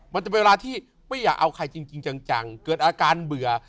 มันจะเป็นเวลาที่ไม่อยากเอาใครจริงจังเกิดอาการเบื่อ